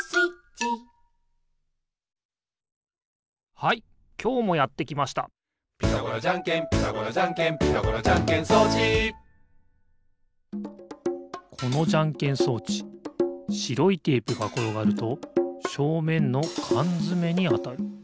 はいきょうもやってきました「ピタゴラじゃんけんピタゴラじゃんけん」「ピタゴラじゃんけん装置」このじゃんけん装置しろいテープがころがるとしょうめんのかんづめにあたる。